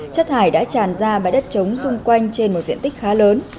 chất thải đã tràn ra bãi đất trống xung quanh trên một diện tích khá lớn